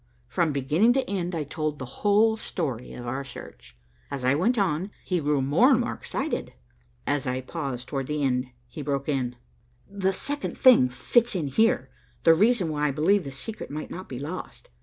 From beginning to end, I told the whole story of our search. As I went on, he grew more and more excited. As I paused towards the end, he broke in. "The second thing fits in here, the reason why I believe the secret might not be lost.